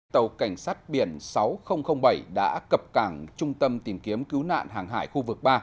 tàu cảnh sát biển sáu nghìn bảy đã cập cảng trung tâm tìm kiếm cứu nạn hàng hải khu vực ba